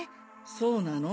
そうなの？